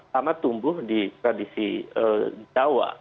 sama tumbuh di tradisi jawa